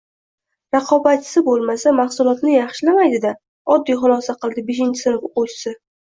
“Raqobatchisi bo‘lmasa maxsulotini yaxshilamaydi-da!” – oddiy xulosaga qildi beshinchi sinf o‘quvchisi.